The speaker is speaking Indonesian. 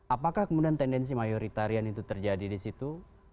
apakah kemudian tendensi mayoritarian itu terjadi disitu